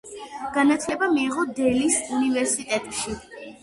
განათლება მიიღო დელის უნივერსიტეტში.